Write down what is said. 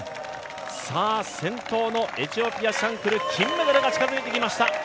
先頭のエチオピア・シャンクル金メダルが近づいてきました。